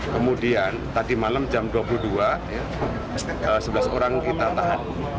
kemudian tadi malam jam dua puluh dua sebelas orang kita tahan